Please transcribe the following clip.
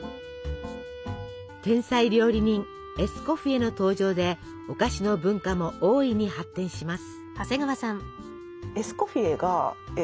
天才料理人エスコフィエの登場でお菓子の文化も大いに発展します。